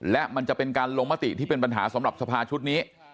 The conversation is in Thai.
และมันจะเป็นการลงมติที่เป็นปัญหาสำหรับสภาชุดนี้